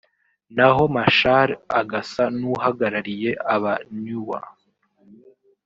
naho Machar agasa n’uhagarariye aba-Nuer